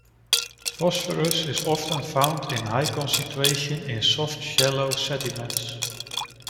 Phosphorus is often found in high concentration in soft shallow sediments.